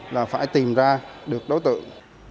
là phải tìm ra được đối tượng